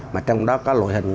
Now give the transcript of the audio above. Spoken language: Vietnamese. mà trong đó có lội hình